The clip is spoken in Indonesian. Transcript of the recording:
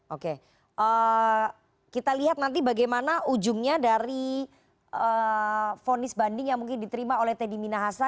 oke kita lihat nanti bagaimana ujungnya dari vonis banding yang mungkin diterima oleh teddy minahasa